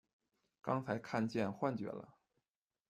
刚才看见幻觉了！